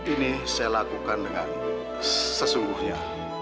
ini saya lakukan dengan sesungguhnya